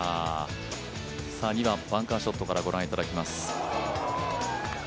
２番、バンカーショットからご覧いただきます。